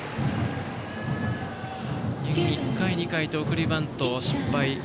１回、２回と送りバントを失敗。